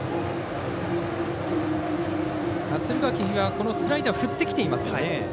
敦賀気比がスライダーを振ってきていますね。